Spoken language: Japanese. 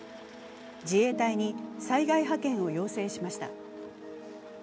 自衛隊に災害派遣を要請しました。